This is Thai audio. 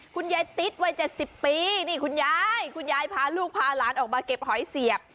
คุณยายติ๊ดวัย๗๐ปีนี่คุณยายคุณยายพาลูกพาหลานออกมาเก็บหอยเสียบ